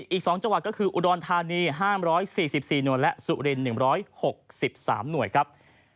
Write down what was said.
อีก๒จังหวัดก็คืออุดรธานี๕๔๔หน่วยและสุริน๑๖๓หน่วยครับ